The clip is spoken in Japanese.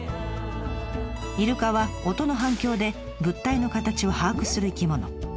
イルカは音の反響で物体の形を把握する生き物。